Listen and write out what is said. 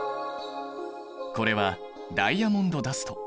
これはダイヤモンドダスト。